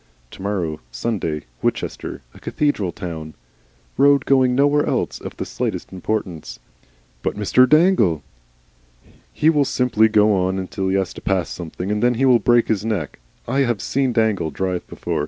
To morrow Sunday, Winchester a cathedral town, road going nowhere else of the slightest importance. "But Mr. Dangle?" "He will simply go on until he has to pass something, and then he will break his neck. I have seen Dangle drive before.